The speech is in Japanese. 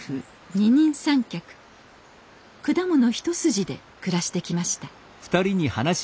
二人三脚果物一筋で暮らしてきました。